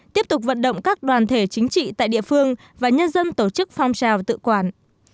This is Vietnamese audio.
tiếp tục vận động các đoàn thể chính trị tại địa phương và nhân dân tổ chức phong trào tự quản